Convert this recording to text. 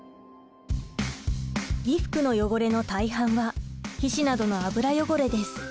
衣服の汚れの大半は皮脂などの油汚れです。